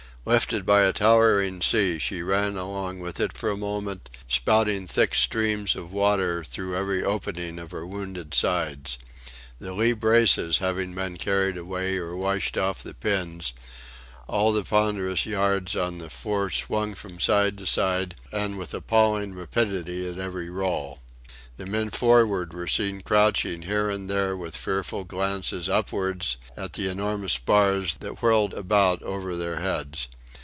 Lifted by a towering sea she ran along with it for a moment, spouting thick streams of water through every opening of her wounded sides. The lee braces having been carried away or washed off the pins, all the ponderous yards on the fore swung from side to side and with appalling rapidity at every roll. The men forward were seen crouching here and there with fearful glances upwards at the enormous spars that whirled about over their heads.